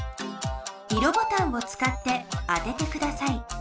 色ボタンを使って当ててください。